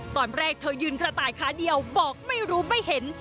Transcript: ตอนแรกเธอยืนกระต่ายขาเดียวบอกไม่รู้ไม่เห็น